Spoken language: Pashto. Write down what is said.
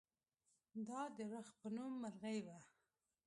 دا د رخ په نوم مرغۍ وه.